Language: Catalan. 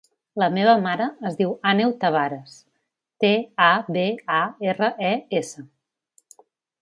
La meva mare es diu Àneu Tabares: te, a, be, a, erra, e, essa.